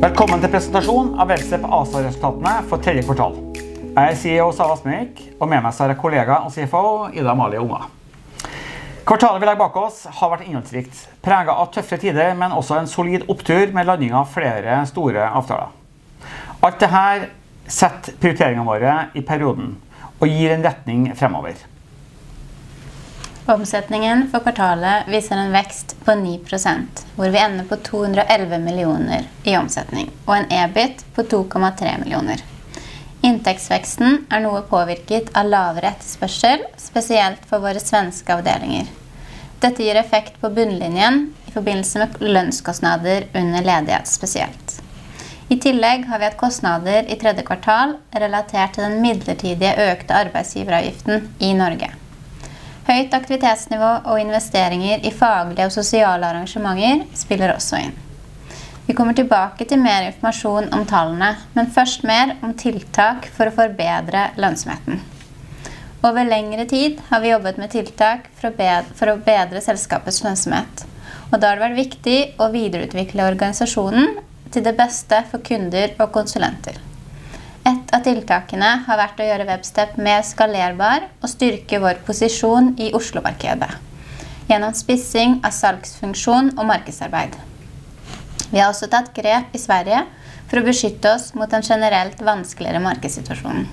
Velkommen til presentasjonen av Webstep AS resultatene for tredje kvartal. Jeg er CEO Savvas Nik, og med meg så er kollega og CFO Ida Amalie Unger. Kvartalet vi legger bak oss har vært innholdsrikt, preget av tøffe tider, men også en solid opptur med landing av flere store avtaler. Alt det her setter prioriteringene våre i perioden og gir en retning fremover. Omsetningen for kvartalet viser en vekst på 9%, hvor vi ender på 211 millioner i omsetning og en EBIT på 2,3 millioner. Inntektsveksten er noe påvirket av lavere etterspørsel, spesielt for våre svenske avdelinger. Dette gir effekt på bunnlinjen i forbindelse med lønnskostnader under ledighet spesielt. I tillegg har vi hatt kostnader i tredje kvartal relatert til den midlertidige økte arbeidsgiveravgiften i Norge. Høyt aktivitetsnivå og investeringer i faglige og sosiale arrangementer spiller også inn. Vi kommer tilbake til mer informasjon om tallene, men først mer om tiltak for å forbedre lønnsomheten. Over lengre tid har vi jobbet med tiltak for å bedre selskapets lønnsomhet, og da har det vært viktig å videreutvikle organisasjonen til det beste for kunder og konsulenter. Ett av tiltakene har vært å gjøre Webstep mer skalerbar og styrke vår posisjon i Oslo-markedet, gjennom spissing av salgsfunksjon og markedsarbeid. Vi har også tatt grep i Sverige for å beskytte oss mot en generelt vanskeligere markedssituasjon.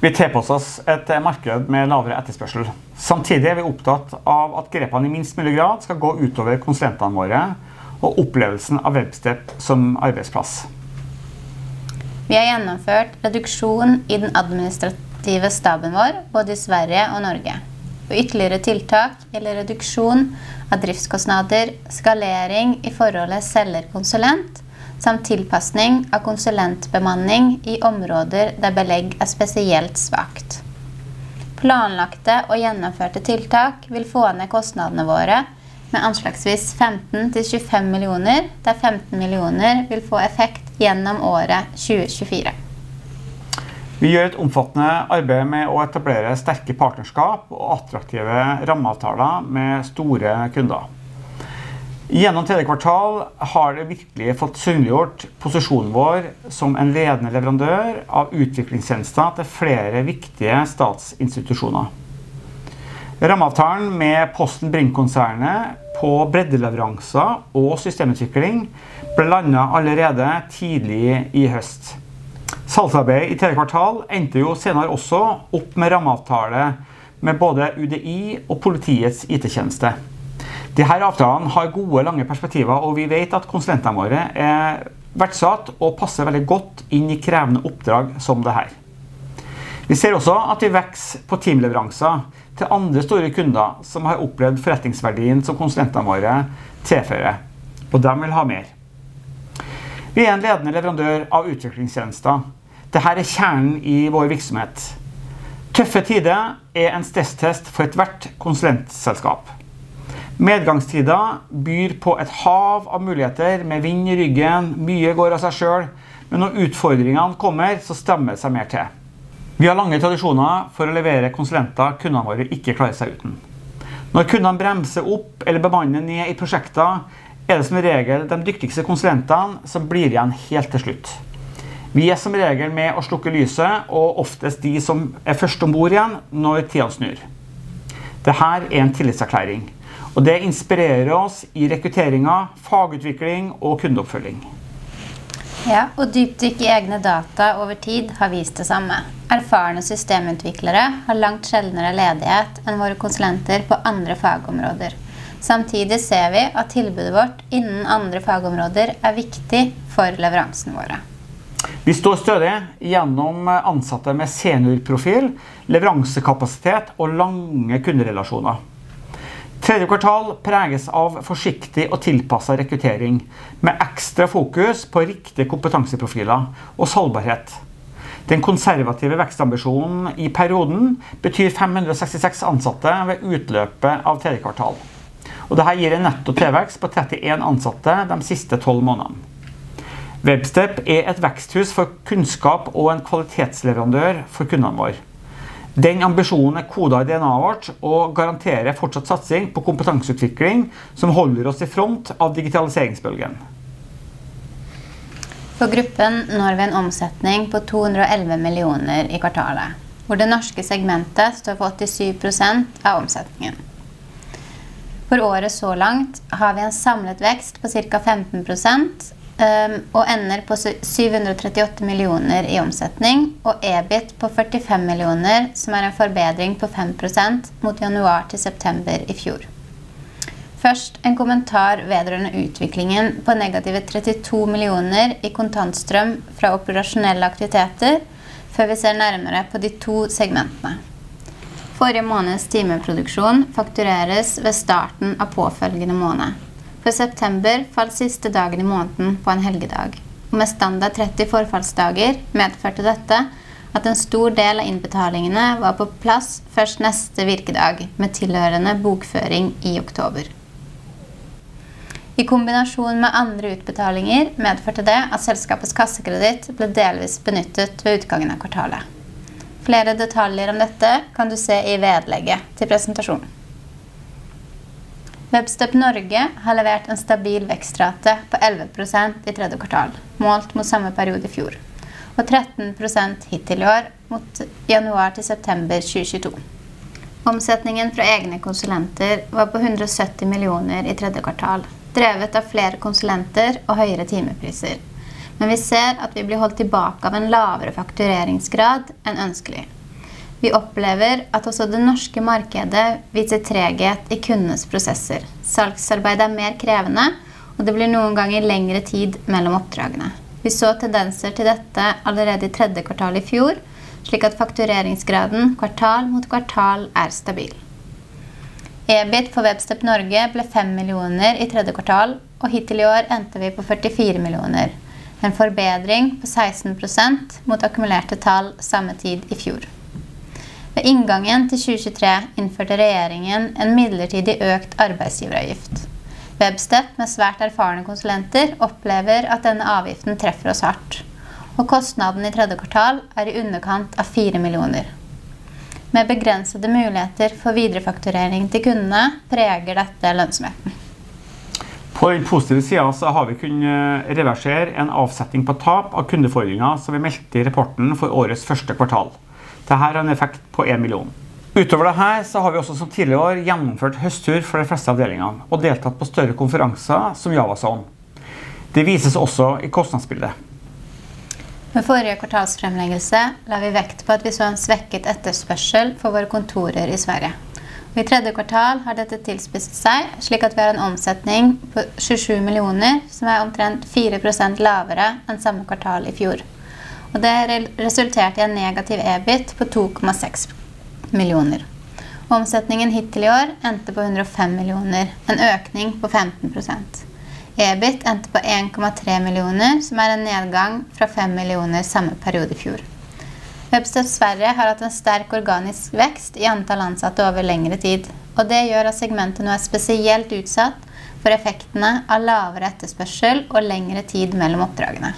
Vi tilpasser oss et marked med lavere etterspørsel. Samtidig er vi opptatt av at grepene i minst mulig grad skal gå ut over konsulentene våre og opplevelsen av Webstep som arbeidsplass. Vi har gjennomført reduksjon i den administrative staben vår, både i Sverige og Norge. Ytterligere tiltak eller reduksjon av driftskostnader, skalering i forholdet selger-konsulent, samt tilpasning av konsulentbemanning i områder der belegg er spesielt svakt. Planlagte og gjennomførte tiltak vil få ned kostnadene våre med anslagsvis 15 til 25 millioner, der 15 millioner vil få effekt gjennom året 2024. Vi gjør et omfattende arbeid med å etablere sterke partnerskap og attraktive rammeavtaler med store kunder. Gjennom tredje kvartal har det virkelig fått synliggjort posisjonen vår som en ledende leverandør av utviklingstjenester til flere viktige statsinstitusjoner. Rammeavtalen med Posten Bring-konsernet på breddeleveranser og systemutvikling ble landet allerede tidlig i høst. Salgsarbeid i tredje kvartal endte senere også opp med rammeavtale med både UDI og Politiets IKT-tjeneste. Disse avtalene har gode, lange perspektiver, og vi vet at konsulentene våre er verdsatt og passer veldig godt inn i krevende oppdrag som dette. Vi ser også at vi vokser på teamleveranser til andre store kunder som har opplevd forretningsverdien som konsulentene våre tilfører, og de vil ha mer. Vi er en ledende leverandør av utviklingstjenester. Dette er kjernen i vår virksomhet. Tøffe tider er en stresstest for ethvert konsulentselskap. Medgangstider byr på et hav av muligheter med vind i ryggen, mye går av seg selv, men når utfordringene kommer, så strammer det seg mer til. Vi har lange tradisjoner for å levere konsulenter kundene våre ikke vil klare seg uten. Når kundene bremser opp eller bemanner ned i prosjekter, er det som regel de dyktigste konsulentene som blir igjen helt til slutt. Vi er som regel med å slukke lyset, og oftest de som er først ombord igjen når tiden snur. Dette er en tillitserklæring, og det inspirerer oss i rekrutteringen, fagutvikling og kundeoppfølging. Ja, og dypt dykk i egne data over tid har vist det samme. Erfarne systemutviklere har langt sjeldnere ledighet enn våre konsulenter på andre fagområder. Samtidig ser vi at tilbudet vårt innen andre fagområder er viktig for leveransene våre. Vi står stødig gjennom ansatte med seniorprofil, leveransekapasitet og lange kunderelasjoner. Tredje kvartal preges av forsiktig og tilpasset rekruttering, med ekstra fokus på riktige kompetanseprofiler og salgbarhet. Den konservative vekstambisjonen i perioden betyr 566 ansatte ved utløpet av tredje kvartal. Dette gir en netto vekst på 30 ansatte de siste tolv månedene. Webstep er et veksthus for kunnskap og en kvalitetsleverandør for kundene våre. Den ambisjonen er kodet i DNAet vårt og garanterer fortsatt satsing på kompetanseutvikling som holder oss i front av digitaliseringsbølgen. For gruppen når vi en omsetning på NOK 211 millioner i kvartalet, hvor det norske segmentet står for 87% av omsetningen. For året så langt har vi en samlet vekst på cirka 15%, og ender på NOK 738 millioner i omsetning og EBIT på NOK 45 millioner, som er en forbedring på 5% mot januar til september i fjor. Først en kommentar vedrørende utviklingen på negative NOK 32 millioner i kontantstrøm fra operasjonelle aktiviteter, før vi ser nærmere på de to segmentene. Forrige måneds timeproduksjon faktureres ved starten av påfølgende måned. For september falt siste dagen i måneden på en helgedag, og med standard 30 forfallsdager medførte dette at en stor del av innbetalingene var på plass først neste virkedag, med tilhørende bokføring i oktober. I kombinasjon med andre utbetalinger medførte det at selskapets kassekreditt ble delvis benyttet ved utgangen av kvartalet. Flere detaljer om dette kan du se i vedlegget til presentasjonen. Webstep Norge har levert en stabil vekstrate på 11% i tredje kvartal, målt mot samme periode i fjor, og 13% hittil i år mot januar til september 2022. Omsetningen fra egne konsulenter var på NOK 170 millioner i tredje kvartal, drevet av flere konsulenter og høyere timepriser. Men vi ser at vi blir holdt tilbake av en lavere faktureringsgrad enn ønskelig. Vi opplever at også det norske markedet viser treghet i kundenes prosesser. Salgsarbeid er mer krevende, og det blir noen ganger lengre tid mellom oppdragene. Vi så tendenser til dette allerede i tredje kvartal i fjor, slik at faktureringsgraden kvartal mot kvartal er stabil. EBIT for Webstep Norge ble NOK 5 millioner i tredje kvartal, og hittil i år endte vi på NOK 44 millioner. En forbedring på 16% mot akkumulerte tall samme tid i fjor. Ved inngangen til 2023 innførte regjeringen en midlertidig økt arbeidsgiveravgift. Webstep, med svært erfarne konsulenter, opplever at denne avgiften treffer oss hardt, og kostnaden i tredje kvartal er i underkant av fire millioner. Med begrensede muligheter for viderefakturering til kundene preger dette lønnsomheten. På den positive siden så har vi kunnet reversere en avsetning på tap av kundefordringer som vi meldte i rapporten for årets første kvartal. Dette har en effekt på én million. Utover dette så har vi også som tidligere år gjennomført høsttur for de fleste avdelingene og deltatt på større konferanser som JavaZone. Det vises også i kostnadsbildet. Ved forrige kvartalsfremleggelse la vi vekt på at vi så en svekket etterspørsel for våre kontorer i Sverige. I tredje kvartal har dette tilspisset seg slik at vi har en omsetning på 27 millioner, som er omtrent 4% lavere enn samme kvartal i fjor. Det resulterte i en negativ EBIT på 2,6 millioner. Omsetningen hittil i år endte på 105 millioner, en økning på 15%. EBIT endte på 1,3 millioner, som er en nedgang fra 5 millioner samme periode i fjor. Webstep Sverige har hatt en sterk organisk vekst i antall ansatte over lengre tid, og det gjør at segmentet nå er spesielt utsatt for effektene av lavere etterspørsel og lengre tid mellom oppdragene.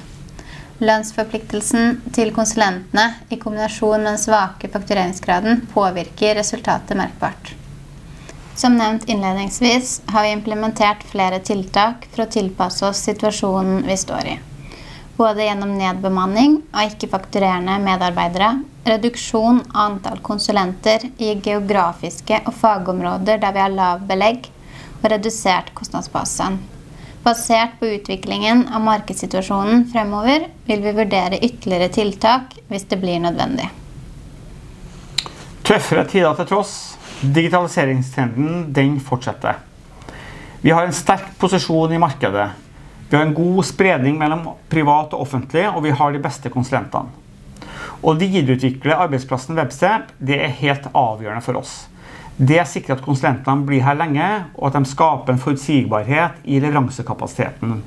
Lønnsforpliktelsen til konsulentene i kombinasjon med den svake faktureringsgraden påvirker resultatet merkbart. Som nevnt innledningsvis har vi implementert flere tiltak for å tilpasse oss situasjonen vi står i, både gjennom nedbemanning og ikke-fakturerende medarbeidere, reduksjon av antall konsulenter i geografiske og fagområder der vi har lavt belegg og redusert kostnadsbasen. Basert på utviklingen av markedssituasjonen fremover, vil vi vurdere ytterligere tiltak hvis det blir nødvendig. Tøffere tider til tross. Digitaliseringstrenden den fortsetter. Vi har en sterk posisjon i markedet. Vi har en god spredning mellom privat og offentlig, og vi har de beste konsulentene. Å videreutvikle arbeidsplassen Webstep, det er helt avgjørende for oss. Det sikrer at konsulentene blir her lenge og at de skaper en forutsigbarhet i leveransekapasiteten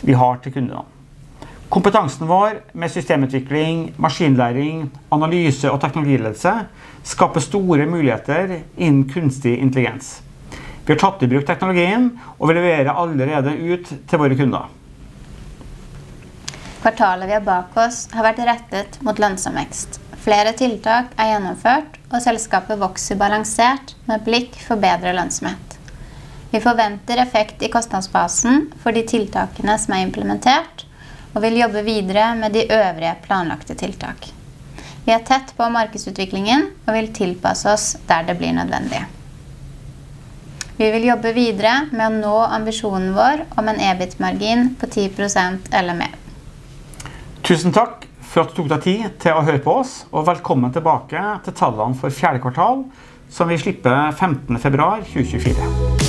vi har til kundene. Kompetansen vår med systemutvikling, maskinlæring, analyse og teknologiledelse skaper store muligheter innen kunstig intelligens. Vi har tatt i bruk teknologien, og vi leverer allerede ut til våre kunder. Kvartalet vi har bak oss har vært rettet mot lønnsom vekst. Flere tiltak er gjennomført, og selskapet vokser balansert med blikk for bedre lønnsomhet. Vi forventer effekt i kostnadsbasen for de tiltakene som er implementert, og vil jobbe videre med de øvrige planlagte tiltak. Vi er tett på markedsutviklingen og vil tilpasse oss der det blir nødvendig. Vi vil jobbe videre med å nå ambisjonen vår om en EBIT-margin på 10% eller mer. Tusen takk for at du tok deg tid til å høre på oss, og velkommen tilbake til tallene for fjerde kvartal, som vi slipper 15. februar 2024.